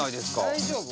大丈夫？